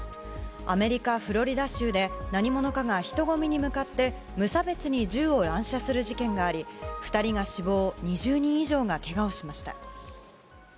アメリカ・フロリダ州で何者かが人混みに向かって無差別に銃を乱射する事件があり２人が死亡２０人以上がけがをしました。